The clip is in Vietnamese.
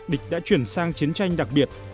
địch đã chuyển sang chiến tranh đặc biệt